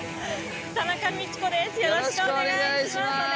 よろしくお願いします。